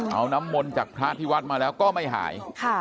เอาน้ำมนต์จากพระที่วัดมาแล้วก็ไม่หาย